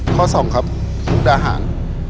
ข้อ๒ครับมุกดาหาร